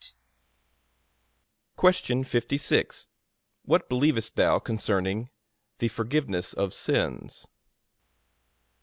A.